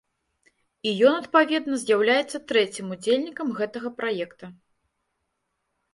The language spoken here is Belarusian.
І ён, адпаведна, з'яўляецца трэцім удзельнікам гэтага праекта.